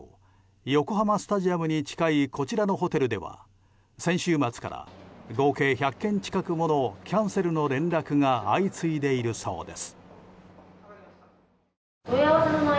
横浜スタジアムに近いこちらのホテルでは先週末から合計１００件近くものキャンセルの連絡が相次いでいるそうです。